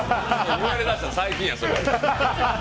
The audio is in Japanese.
言われだしたの最近や、それ。